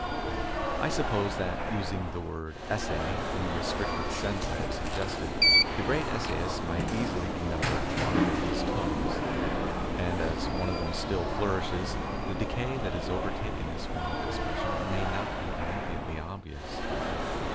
I suppose that, using the word " essay " in the restricted sense I have suggested, the great essayists might easily be numbered on a baby's toes, and, as one of them still flourishes, the decay that has overtaken this form of expression may not be immediately obvious.